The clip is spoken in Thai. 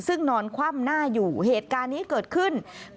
ซึ่งนอนคว่ำหน้าอยู่เหตุการณ์นี้เกิดขึ้น